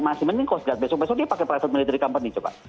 masih mending coast guard besok besok dia pakai private military company coba